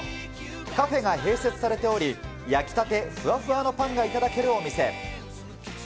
カフェが併設されており、焼きたてふわふわのパンが頂けるお店。